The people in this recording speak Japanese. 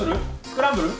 スクランブル？